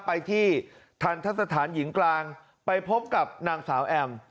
ไปที่ทันทะสถานหญิงกลางไปพบกับนางสาวแอม